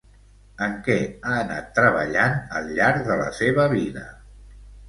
En què ha anat treballant al llarg de la seva vida?